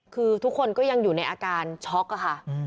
คือทุกคนก็ยังอยู่ในอาการช็อกอะค่ะ